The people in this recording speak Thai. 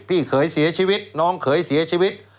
พี่เขยเสียชีวิตน้องเขยเสียชีวิต